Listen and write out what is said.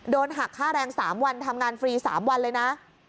โดนหักค่าแรงสามวันทำงานฟรีสามวันเลยน่ะ